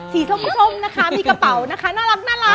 ส้มนะคะมีกระเป๋านะคะน่ารัก